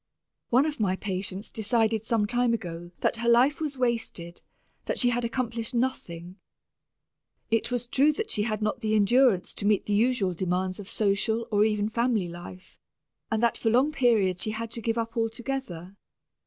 One of my patients decided some time ago that her life was wasted, that she had accomplished nothing. It was true that she had not the endurance to meet the usual demands of social or even family life, and that for long periods she had to give up altogether.